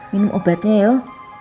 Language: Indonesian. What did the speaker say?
minum obatnya yuk